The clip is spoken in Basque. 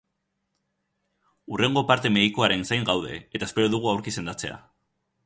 Hurrengo parte medikoaren zain gaude, eta espero dugu aurki sendatzea.